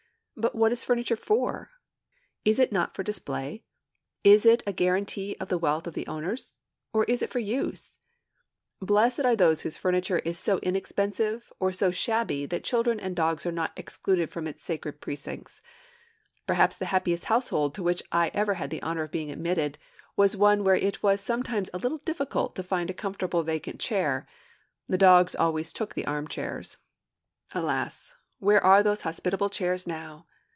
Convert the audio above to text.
But what is furniture for? Is it for display, is it a guaranty of the wealth of the owners, or is it for use? Blessed are they whose furniture is so inexpensive or so shabby that children and dogs are not excluded from its sacred precincts. Perhaps the happiest household to which I ever had the honor of being admitted was one where it was sometimes a little difficult to find a comfortable vacant chair: the dogs always took the arm chairs. Alas, where are those hospitable chairs now?